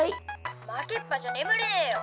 「負けっぱじゃ眠れねえよ。